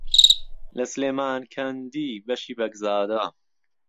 له سلێمانکهندی بهشی بهگزاده